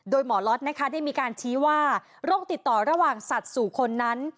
โดยหมอล็อตนะคะได้มีการชี้ว่าโรคติดต่อระหว่างสัตว์สู่คนนั้น